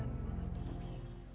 iya gue ngerti tapi